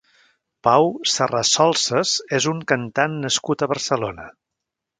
Pau Serrasolsas és un cantant nascut a Barcelona.